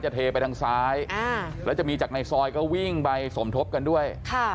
เทไปทางซ้ายแล้วจะมีจากในซอยก็วิ่งไปสมทบกันด้วย